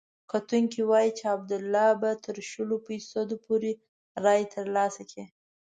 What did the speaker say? کتونکي وايي چې عبدالله به تر شلو فیصدو پورې رایې ترلاسه کړي.